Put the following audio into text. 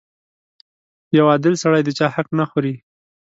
• یو عادل سړی د چا حق نه خوري.